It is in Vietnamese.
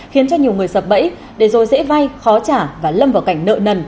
khiến cho nhiều người sập bẫy để rồi dễ vay khó trả và lâm vào cảnh nợ nần